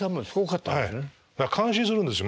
だから感心するんですよ